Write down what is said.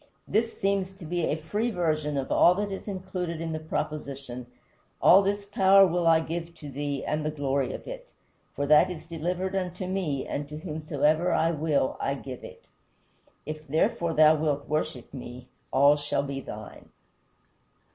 This seems to be a free version of all that is included in the proposition: "All this power will I give thee, and the glory of it; for that is delivered unto me and to whomsoever I will I give it. If, therefore, thou wilt worship me all shall be thine."